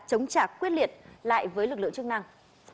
chống trả quyết liệt lại với lực lượng chức năng